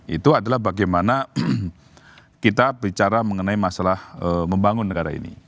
itu adalah bagaimana kita bicara mengenai masalah membangun negara ini